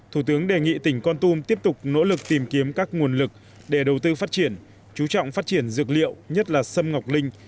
thủ tướng đề nghị tỉnh con tum tiếp tục nỗ lực tìm kiếm các nguồn lực để đầu tư phát triển chú trọng phát triển dược liệu nhất là sâm ngọc linh